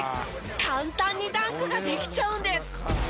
簡単にダンクができちゃうんです。